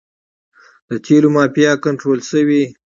د تیلو مافیا کنټرول شوې؟